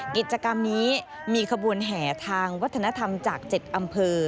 กิจกรรมนี้มีขบวนแห่ทางวัฒนธรรมจาก๗อำเภอ